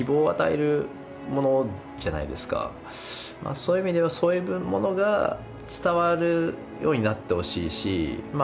そういう意味ではそういうものが伝わるようになってほしいしま